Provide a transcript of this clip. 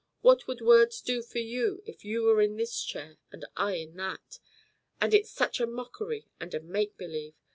What would words do for you if you were in this chair and I in that? Ah, it's such a mockery and a make believe!